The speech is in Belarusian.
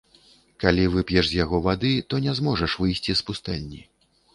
Калі вып'еш з яго вады, то не зможаш выйсці з пустэльні.